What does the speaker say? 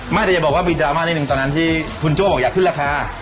อย่าบอกว่ามีดราม่านิดนึงตอนนั้นที่คุณโจ้บอกอยากขึ้นราคา